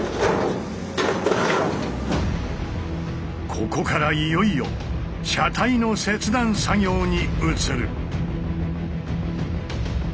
ここからいよいよ車体の切断作業に移る。